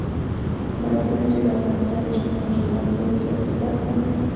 بادي انرژي د افغانستان د اجتماعي جوړښت یوه اساسي برخه ده.